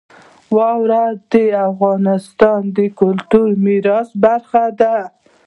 واوره د افغانستان د کلتوري میراث برخه ده.